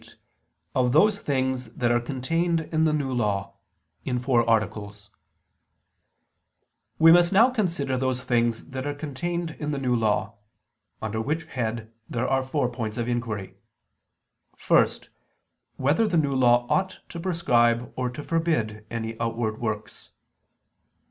________________________ QUESTION 108 OF THOSE THINGS THAT ARE CONTAINED IN THE NEW LAW (In Four Articles) We must now consider those things that are contained in the New Law: under which head there are four points of inquiry: (1) Whether the New Law ought to prescribe or to forbid any outward works?